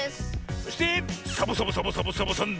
そしてサボサボサボサボサボさんだぜえ。